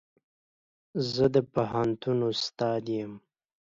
زه د پوهنتون استاد يم.